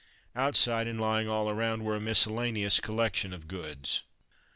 Outside, and lying all around, were a miscellaneous collection of goods.